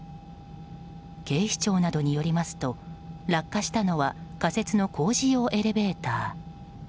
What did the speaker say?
警視庁などによりますと落下したのは仮設の工事用エレベーター。